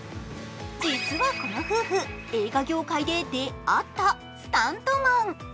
実はこの夫婦、映画業界で出会ったスタントマン。